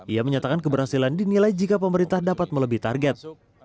ia menyatakan keberhasilan dinilai jika pemerintah dapat melebih target